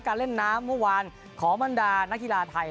การเล่นน้ำเมื่อวานของบรรดานักกีฬาไทย